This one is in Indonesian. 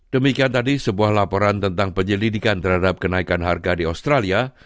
demikian tadi sebuah laporan tentang penyelidikan terhadap kenaikan harga di australia